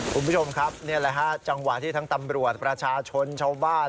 คุณผู้ชมครับนี่แหละฮะจังหวะที่ทั้งตำรวจประชาชนชาวบ้าน